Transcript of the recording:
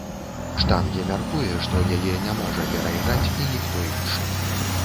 Штанге мяркуе, што яе не можа перайграць і ніхто іншы.